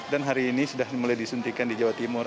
dan hari ini sudah mulai disuntikan di jawa timur